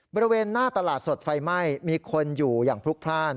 บริเวณหน้าตลาดสดไฟไหม้มีคนอยู่อย่างพลุกพลาด